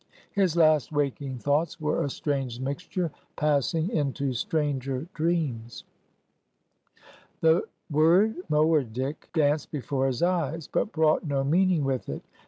His last waking thoughts were a strange mixture, passing into stranger dreams. The word Moerdyk danced before his eyes, but brought no meaning with it.